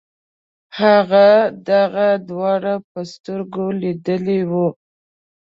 هغه دغه دواړه په سترګو لیدلي وو.